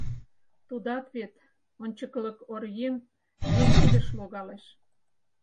Тудат вет — ончыкылык оръеҥ, еҥ кидыш логалеш.